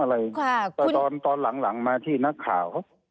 แต่ตอนตอนหลังมาที่นักข่าว